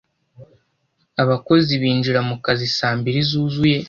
abakozi binjira mukazi saa mbiri zuzuye